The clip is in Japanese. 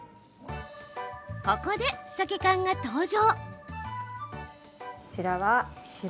ここで、サケ缶が登場。